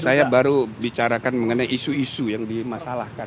saya baru bicarakan mengenai isu isu yang dimasalahkan